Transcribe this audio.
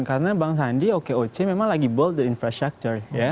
karena bang sandi okoc memang lagi bold the infrastructure